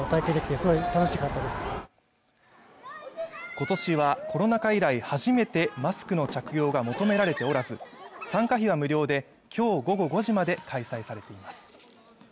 今年はコロナ禍以来初めてマスクの着用が求められておらず参加費は無料で今日午後５時まで開催されています